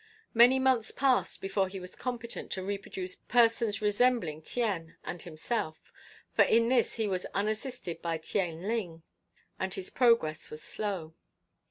Many months passed before he was competent to reproduce persons resembling Tien and himself, for in this he was unassisted by Tieng Lin, and his progress was slow.